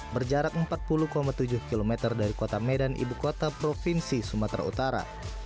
berjarak empat puluh tujuh km dari kota medan ibu kota provinsi sumatera utara